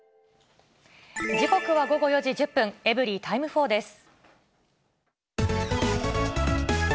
時刻は午後４時１０分、エブリィタイム４です。